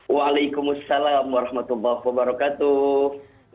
waalaikumsalam warahmatullahi wabarakatuh